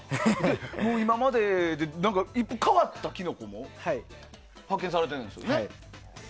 今までで変わったキノコも発見されているんですよね。